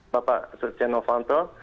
bapak setia novanto